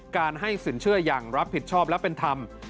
การให้สินเชื่ออย่างรับผิดชอบและเป็นธรรม